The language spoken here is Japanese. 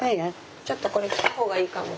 ちょっとこれ着たほうがいいかも。